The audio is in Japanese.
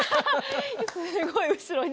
すごい後ろに。